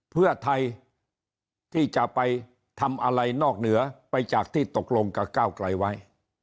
เพื่อไทยที่จะไปทำอะไรนอกเหนือไปจากที่ตกลงกับก้าวไกลไว้